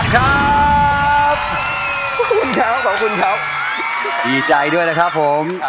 ยินดีใจด้วยนะครับผม